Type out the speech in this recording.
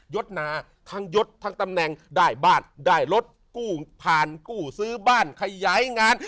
ดนาทั้งยศทั้งตำแหน่งได้บ้านได้รถกู้ผ่านกู้ซื้อบ้านขยายงาน